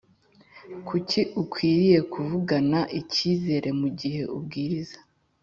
Kuki ukwiriye kuvugana icyizere mu gihe ubwiriza